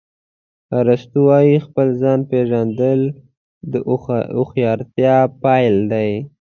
ارسطو وایي خپل ځان پېژندل د هوښیارتیا پیل دی.